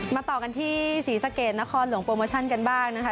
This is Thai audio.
ต่อกันที่ศรีสะเกดนครหลวงโปรโมชั่นกันบ้างนะคะ